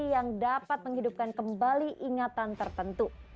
yang dapat menghidupkan kembali ingatan tertentu